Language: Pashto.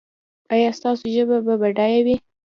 ایا ستاسو ژبه به بډایه وي؟